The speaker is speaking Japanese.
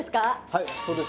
はいそうです。